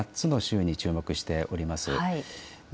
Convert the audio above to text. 主に８つの州に注目しております。